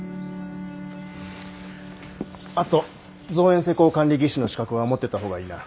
あと造園施工管理技士の資格は持ってた方がいいな。